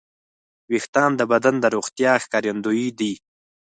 وېښتيان د بدن د روغتیا ښکارندوی دي.